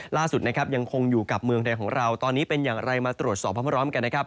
ล่าสุดนะครับยังคงอยู่กับเมืองไทยของเราตอนนี้เป็นอย่างไรมาตรวจสอบพร้อมกันนะครับ